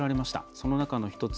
その中の１つ。